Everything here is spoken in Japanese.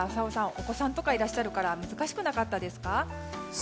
お子さんとかいらっしゃるから難しくなかったですか？